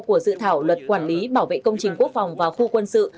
của dự thảo luật quản lý bảo vệ công trình quốc phòng và khu quân sự